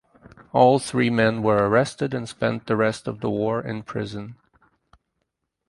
All three men were arrested and spent the rest of the war in prison.